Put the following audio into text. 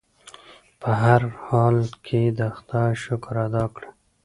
په هر حال کې د خدای شکر ادا کړئ.